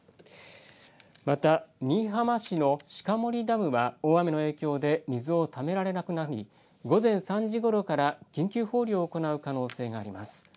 また、新居浜市の鹿森ダムは大雨の影響で水をためられなくなり午前３時ごろから緊急放流を行う可能性があります。